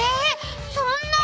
そんな。